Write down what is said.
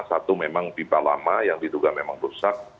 satu memang pipa lama yang diduga memang rusak